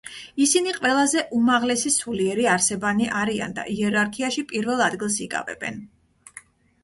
ისინი ყველაზე უმაღლესი სულიერი არსებანი არიან და იერარქიაში პირველ ადგილს იკავებენ.